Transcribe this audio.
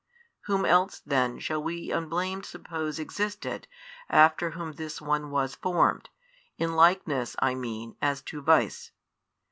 Whom else then shall we unblamed suppose existed, after whom this one was formed, in likeness I mean as to vice?